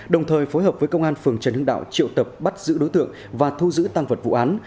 đồng thời phối hợp với công an phường trần hưng đạo triệu tập bắt giữ đối tượng và thu giữ tăng vật vụ án